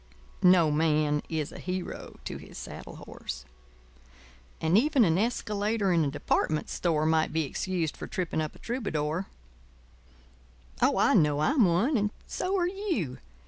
No man is a hero to his saddle horse. And even an escalator in a department store might be excused for tripping up a troubadour. Oh, I know I'm one; and so are you.